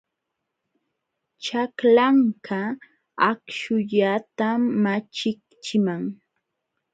Chaklanka akśhullatam malliqchiman.